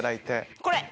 これ！